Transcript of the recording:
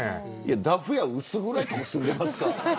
ダフ屋薄暗い所に住んでいますか。